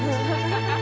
ハハハッ。